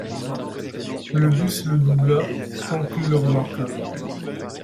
le bus le doubla sans qu’il le remarquât.